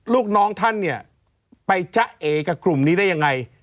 ลูกน้องท่านเนี่ยไปจ๊ะเอกับกลุ่มนี้ได้ยังไง